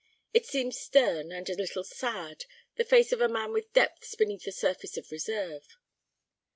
It seemed stern, and a little sad, the face of a man with depths beneath a surface of reserve.